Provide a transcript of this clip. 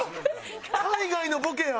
海外のボケや。